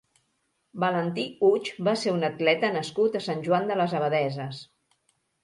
Valentí Huch va ser un atleta nascut a Sant Joan de les Abadesses.